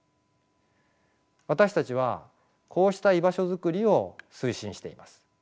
私たちはこうした居場所づくりを推進しています。